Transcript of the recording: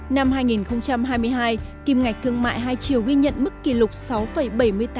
năm hai nghìn hai mươi hai kim ngạch thương mại hai triều ghi nhận mức tài năng của việt nam